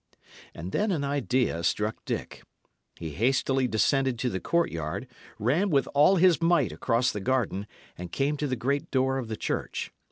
And then an idea struck Dick. He hastily descended to the courtyard, ran with all his might across the garden, and came to the great door of the church.